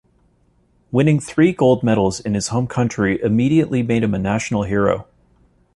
Winning three gold medals in his home country immediately made him a national hero.